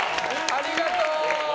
ありがとう！